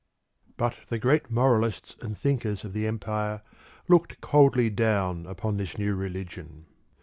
But the great moralists and thinkers of the empire looked coldly down upon this new religion.